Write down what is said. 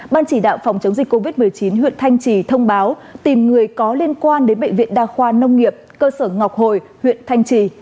ban chỉ đạo phòng chống dịch covid một mươi chín huyện thanh trì thông báo tìm người có liên quan đến bệnh viện đa khoa nông nghiệp cơ sở ngọc hồi huyện thanh trì